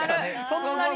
そんなに。